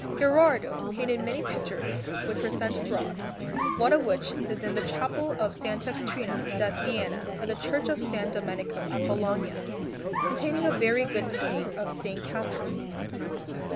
Gherardo painted many pictures which were sent abroad, one of which is in the Chapel of S. Caterina da Siena in the Church of S. Domenico at Bologna, containing a very good painting of S. Catherine.